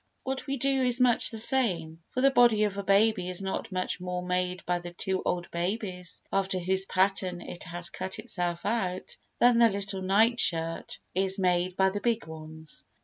What we do is much the same, for the body of a baby is not much more made by the two old babies, after whose pattern it has cut itself out, than the little night shirt is made by the big ones.